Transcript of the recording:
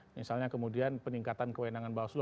misalnya kemudian peningkatan kewenangan bawaslu